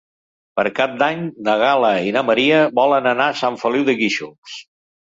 Per Cap d'Any na Gal·la i na Maria volen anar a Sant Feliu de Guíxols.